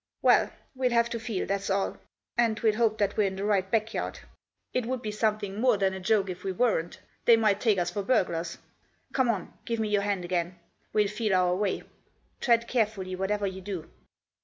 "Well, we'll have to feel, that's all ; and we'll hope that we're in the right backyard. It would be some thing more than a joke if we weren't ; they might take us for burglars. Come on ; give me your hand again ; we'll feel our way — tread carefully whatever you do.